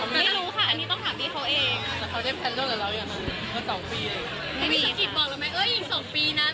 ไม่รู้ค่ะอันนี้ต้องถามพี่เขาเองค่ะ